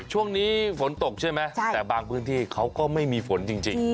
ช่วงนี้ฝนตกใช่ไหมแต่บางพื้นที่เขาก็ไม่มีฝนจริง